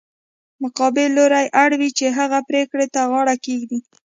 مقابل لوری اړ وي چې هغې پرېکړې ته غاړه کېږدي.